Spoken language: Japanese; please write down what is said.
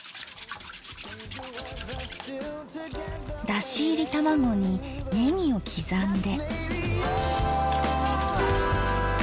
だし入り卵にねぎを刻んで。